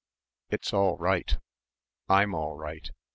"It's all right. I'm all right.